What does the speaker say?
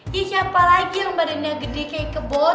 ya siapa lagi yang badannya gede kayak kebot